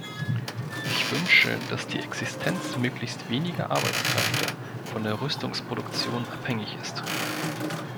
Ich wünsche, dass die Existenz möglichst weniger Arbeitskräfte von der Rüstungsproduktion abhängig ist.